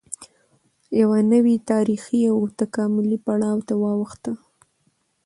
یوه نوې تارېخي او تکاملي پړاو ته واوښته